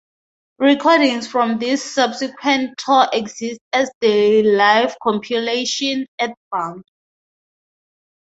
Recordings from this subsequent tour exist as the live compilation, "Earthbound".